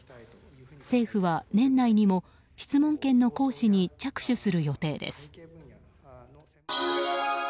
政府は、年内にも質問権の行使に着手する予定です。